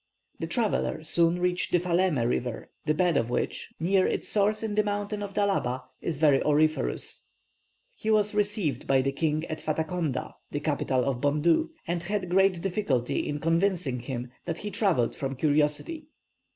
The traveller soon reached the Falemé river, the bed of which, near its source in the mountains of Dalaba, is very auriferous. He was received by the king at Fataconda, the capital of Bondou, and had great difficulty in convincing him that he travelled from curiosity.